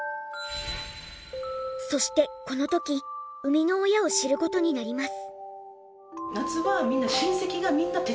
そしてこの時生みの親を知る事になります。